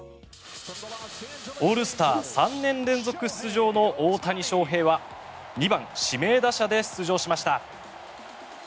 オールスター３年連続出場の大谷翔平は２番指名打者で出場しました。